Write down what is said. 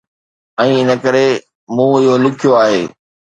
۽ ان ڪري مون اهو لکيو آهي